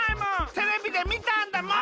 テレビでみたんだもん！